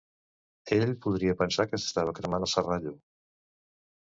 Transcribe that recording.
Ell podria pensar que s'estava cremant el Serrallo!